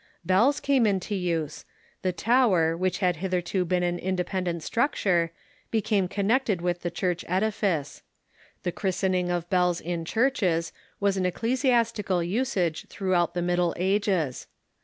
Bells came into use. The tower, Avhich had hitherto been an independent structure, became connected with the church edifice. The christening of bells in churches was an ecclesiastical usage throughout the Middle Ages.